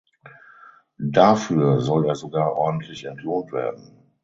Dafür soll er sogar ordentlich entlohnt werden.